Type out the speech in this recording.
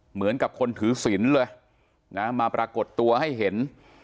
เหมือนกับคนถือศิลป์เลยนะมาปรากฏตัวให้เห็น